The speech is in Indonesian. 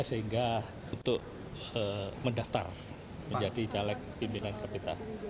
sehingga untuk mendaftar menjadi caleg pimpinan kpk